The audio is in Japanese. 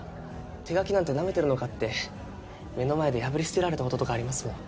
手書きなんてなめてるのかって目の前で破り捨てられたこととかありますもん。